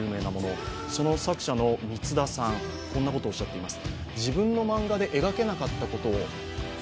その作者の満田さん、こんなことをおっしゃっています。